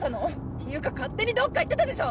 ていうか勝手にどっか行ってたでしょ！